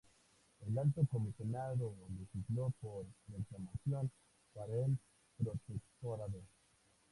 El Alto Comisionado legisló por proclamación para el protectorado.